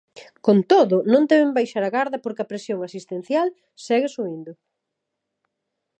Con todo, non deben baixar a garda porque a presión asistencial segue subindo.